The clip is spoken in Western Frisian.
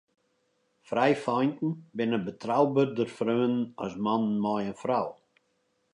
Frijfeinten binne betrouberder freonen as mannen mei in frou.